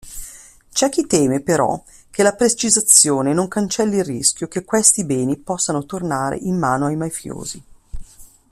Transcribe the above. C'è chi teme, però, che la precisazione non cancelli il rischio che questi beni possano tornare in mano ai mafiosi.